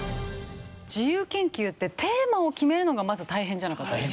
自由研究ってテーマを決めるのがまず大変じゃなかったですか？